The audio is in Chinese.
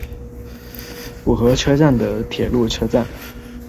浦和车站的铁路车站。